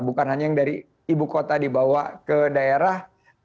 bukan hanya yang dari ibu kota dibawa ke daerah